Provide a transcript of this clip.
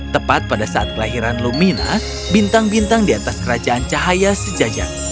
tepat pada saat kelahiran lumina bintang bintang di atas kerajaan cahaya sejajar